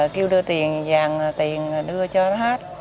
tôi tiền vàng tiền đưa cho nó hết